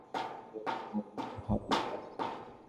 কী হয়েছে হরিদাসের?